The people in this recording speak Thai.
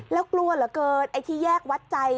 แล้วกลัวเหลือเกินไอ้ที่แยกวัดใจ